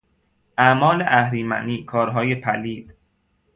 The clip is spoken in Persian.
اعمال اهریمنی، کارهای پلید